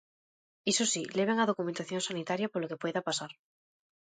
Iso si, leven a documentación sanitaria polo que poida pasar.